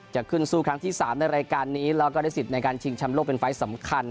จะขึ้นสู้ครั้งที่๓ในรายการนี้แล้วก็ได้สิทธิ์ในการชิงชำโลกเป็นไฟล์สำคัญ